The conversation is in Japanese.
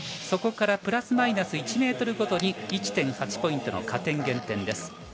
そこからプラスマイナス１ｍごとに１．８ポイントの加点減点です。